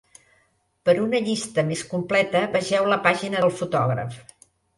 Per una llista més completa, vegeu la pàgina del fotògraf.